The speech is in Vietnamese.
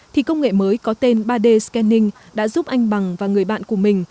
thì công nghệ mới có tên ba d scanning đã giúp anh bằng và người bạn của mình